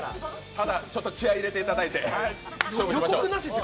ただちょっと気合い入れていただいて勝負しましょう。